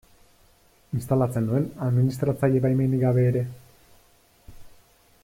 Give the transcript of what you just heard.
Instalatzen nuen administratzaile baimenik gabe ere.